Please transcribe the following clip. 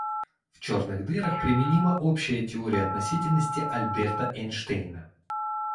В черных дырах применима общая теория относительности Альберта Эйнштейна.